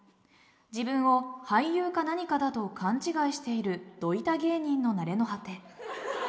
自分を俳優か何かだと勘違いしているど痛芸人の成れの果て。